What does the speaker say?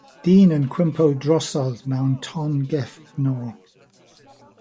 Dyn yn cwympo drosodd mewn ton gefnfor